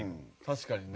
確かにね。